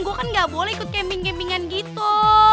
gue kan nggak boleh ikut camping campingan gitu